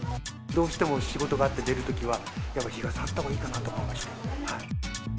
どうしても仕事があって出るときは、やっぱり日傘あったほうがいいかなと思いまして。